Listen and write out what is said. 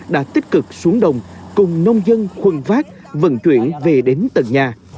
đã tích cực hỗ trợ cho nhân dân thu hoạch